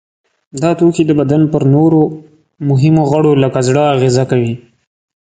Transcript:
دا توکي د بدن پر نورو مهمو غړو لکه زړه اغیزه کوي.